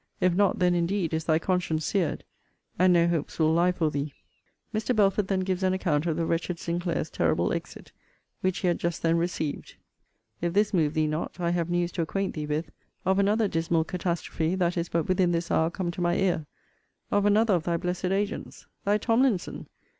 If not, then indeed is thy conscience seared, and no hopes will lie for thee. [Mr. Belford then gives an account of the wretched Sinclair's terrible exit, which he had just then received.] If this move thee not, I have news to acquaint thee with, of another dismal catastrophe that is but within this hour come to my ear, of another of thy blessed agents. Thy TOMLINSON!